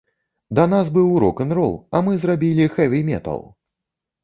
Да нас быў рок-н-рол, а мы зрабілі хэві метал!